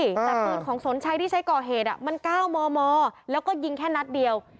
แต่ปืนของสนชัยที่ใช้ก่อเหตุมัน๙มมแล้วก็ยิงแค่นัดเดียว